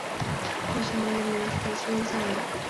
后成为民族军将领。